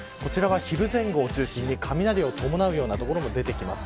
昼前後を中心に、雷を伴うような所も出てきます。